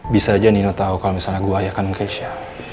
bisa aja nino tau kalau misalnya gue ayahkan keisha